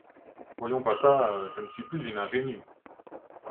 Voyons, papa ; je ne suis plus une ingénue.